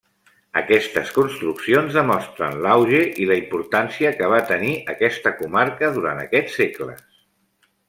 Aquestes construccions demostren l'auge i la importància que va tenir aquesta comarca durant aquests segles.